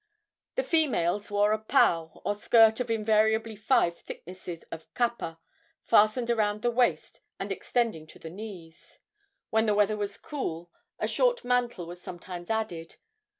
The females wore a pau, or skirt of invariably five thicknesses of kapa, fastened around the waist and extending to the knees. When the weather was cool a short mantle was sometimes added.